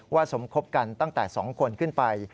สมคบกันตั้งแต่๒คนขึ้นไป